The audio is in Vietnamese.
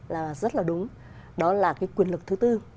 là rất là đúng đó là cái quyền lực thứ tư